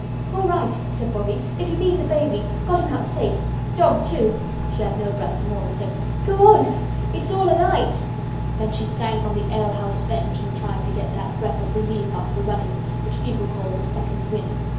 "All right," said Bobbie, "if you mean the baby; got him out safe. Dog, too." She had no breath for more, except, "Go on it's all alight." Then she sank on the ale house bench and tried to get that breath of relief after running which people call the 'second wind.'